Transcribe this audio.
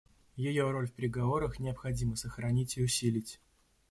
Ее роль в переговорах необходимо сохранить и усилить.